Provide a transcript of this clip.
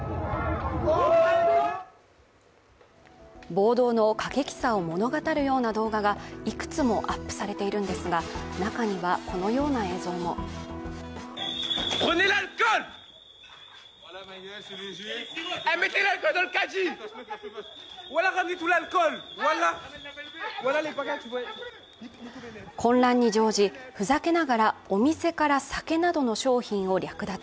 暴動の過激さを物語るような動画がいくつもアップされているんですが、中にはこのような映像も混乱に乗じ、ふざけながらお店から酒などの商品を略奪。